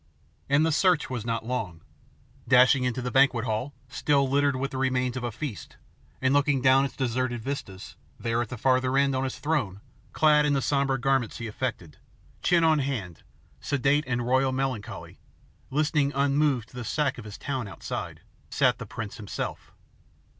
And the search was not long. Dashing into the banquet hall, still littered with the remains of a feast, and looking down its deserted vistas, there at the farther end, on his throne, clad in the sombre garments he affected, chin on hand, sedate in royal melancholy, listening unmoved to the sack of his town outside, sat the prince himself.